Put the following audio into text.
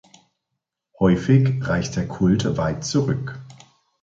Häufig reicht der Kult weit zurück.